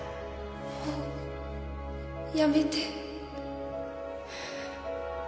もうやめて。